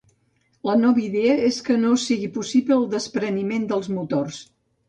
La nova idea és que no sigui possible el despreniment dels motors.